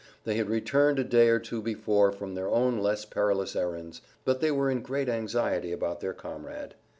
They had returned a day or two before from their own less perilous errands, but they were in great anxiety about their comrade.